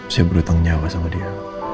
saya berhutang nyawa sama dia